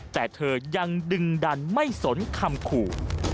แต่เธอยังดึงดันไม่สนคำขู่